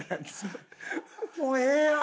もうええやん。